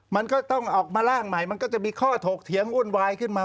มันก็ต้องออกมาร่างใหม่มันก็จะมีข้อถกเถียงวุ่นวายขึ้นมา